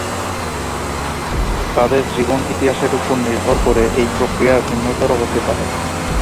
তবে তাদের জীবন ইতিহাসের উপর নির্ভর করে এই প্রক্রিয়া ভিন্নতর হতে পারে।